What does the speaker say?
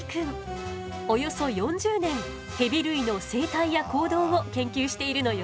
およそ４０年ヘビ類の生態や行動を研究しているのよ。